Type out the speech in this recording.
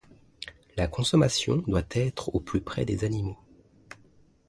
La consommation doit être au plus près des animaux.